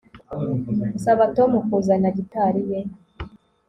Saba Tom kuzana gitari ye